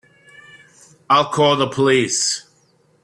I'll call the police.